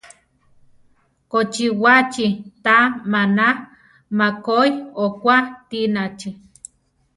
Kochiwaachi ta maná makoí okua tinachi?